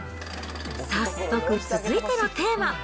早速、続いてのテーマ。